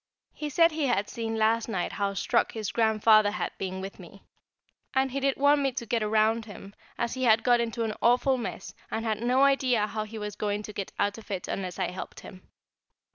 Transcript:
He said he had seen last night how struck his Grandfather had been with me, and he did want me to get round him, as he had got into an awful mess, and had not an idea how he was going to get out of it, unless I helped him.